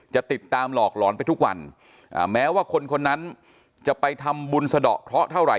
จะติดตามหลอกหลอนไปทุกวันแม้ว่าคนคนนั้นจะไปทำบุญสะดอกเคราะหเท่าไห